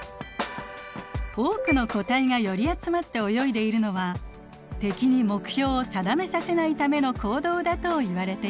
多くの個体が寄り集まって泳いでいるのは敵に目標を定めさせないための行動だといわれています。